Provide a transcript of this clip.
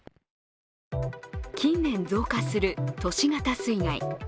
近年、増加する都市型水害。